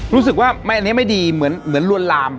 รู้สึกว่าอันนี้ไม่ดีเหมือนลวนลาม